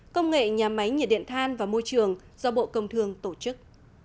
công nghệ nhà máy nhiệt điện than và môi trường do bộ công thương tổ chức